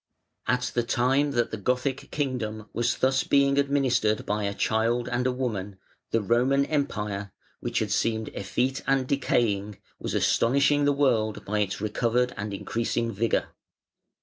At the time that the Gothic kingdom was thus being administered by a child and a woman, the Roman Empire, which had seemed effete and decaying, was astonishing the world by its recovered and increasing vigour.